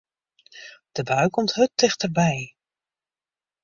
De bui komt hurd tichterby.